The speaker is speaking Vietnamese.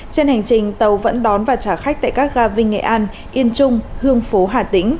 trên hành trình tàu vẫn đón và trả khách tại các ga vinh nghệ an yên trung hương phố hà tĩnh